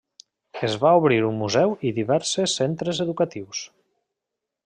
Es va obrir un Museu i diverses centres educatius.